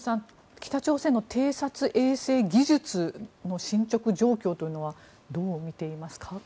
北朝鮮の偵察衛星技術の進ちょく状況というのはどう見ていますか？